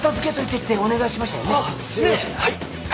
はい。